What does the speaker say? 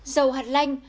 dầu hạt lanh